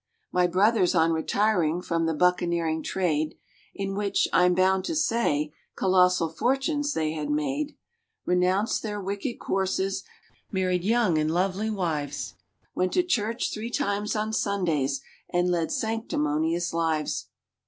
My brothers on retiring from the buccaneering trade, In which, I'm bound to say, colossal fortunes they had made, Renounced their wicked courses, married young and lovely wives, Went to church three times on Sundays, and led sanctimonious lives.